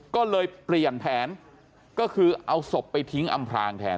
ก็เลยเปลี่ยนแผนก็คือเอาศพไปทิ้งอำพลางแทน